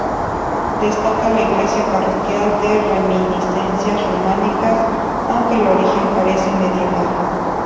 Destaca la iglesia parroquial de reminiscencias románicas aunque el origen parece medieval.